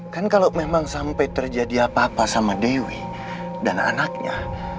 kan kalau memang sampai terjadi apa apa sama dewi dan anaknya